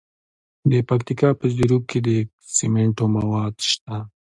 د پکتیکا په زیروک کې د سمنټو مواد شته.